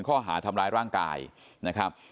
ข้อหาทำร้ายร่างกายนะครับ